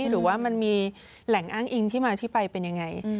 หรือว่ามันมีแหล่งอ้างอิงที่มาที่ไปเป็นยังไง